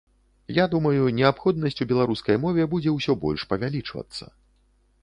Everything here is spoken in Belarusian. Я думаю, неабходнасць у беларускай мове будзе ўсё больш павялічвацца.